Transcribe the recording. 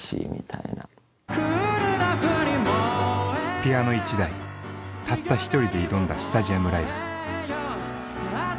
ピアノ１台たった１人で挑んだスタジアムライブ。